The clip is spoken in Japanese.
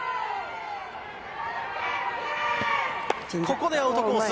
ここでアウトコース。